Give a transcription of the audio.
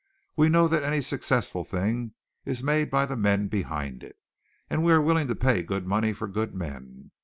We know that any successful thing is made by the men behind it, and we are willing to pay good money for good men.